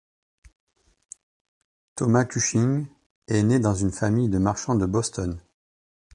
Thomas Cushing est né dans une famille de marchands de Boston.